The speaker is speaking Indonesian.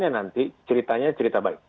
yang menggunakannya nanti ceritanya cerita baik